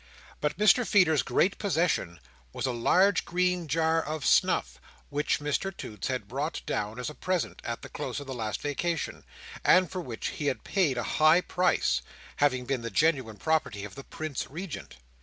But Mr Feeder's great possession was a large green jar of snuff, which Mr Toots had brought down as a present, at the close of the last vacation; and for which he had paid a high price, having been the genuine property of the Prince Regent.